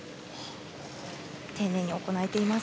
丁寧に行えています。